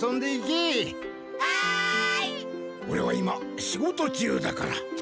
オレは今仕事中だから。